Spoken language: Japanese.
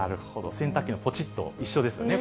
洗濯機のぽちっと一緒ですよね。